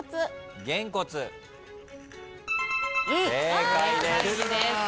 正解です。